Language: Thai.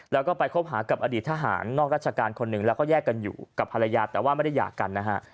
แล้วก็ไปคบหากับอดีตทหารนอกราชการคนหนึ่งแล้วก็แยกกันอยู่กับภรรยาแต่ว่าไม่ได้หย่ากันนะฮะ